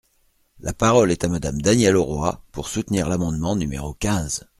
La parole est à Madame Danielle Auroi, pour soutenir l’amendement numéro quinze.